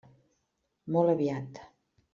Molt aviat.